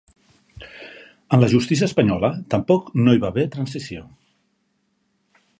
En la justícia espanyola tampoc no hi va haver transició.